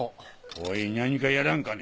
おいにゃにかやらんかね。